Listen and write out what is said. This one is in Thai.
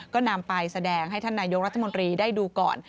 ก็นำไปแสดงให้ท่านนายกรัฐมนตรีได้ดูก่อน